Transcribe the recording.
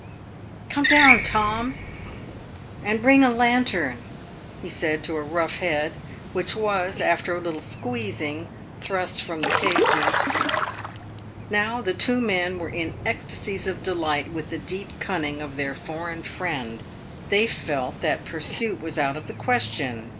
" Come down, Tom, and bring a lantern," he said to a rough head, which was, after a little squeezing, thrust from the case ment. Now the two men were in ecstasies of delight with the deep cunning of their foreign friend. They felt that pursuit was out of the ques tion.